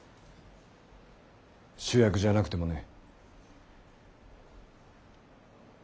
主役じゃなくてもね。